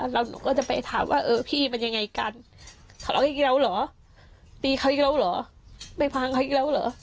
แล้วหนูก็จะไปถามว่าเออพี่มันยังไงกันทะเลาะอีกแล้วเหรอตีเขาอีกแล้วเหรอไม่พังเขาอีกแล้วเหรอ